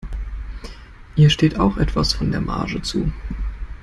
Ihr steht auch etwas von der Marge zu.